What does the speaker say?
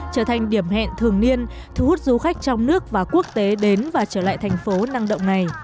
trở thành điểm hẹn thường niên thu hút du khách trong nước và quốc tế đến và trở lại thành phố năng động này